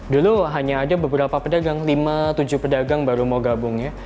dulu hanya ada beberapa pedagang lima tujuh pedagang baru mau gabung ya